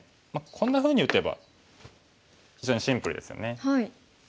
こんなふうに打てば非常にシンプルですよね。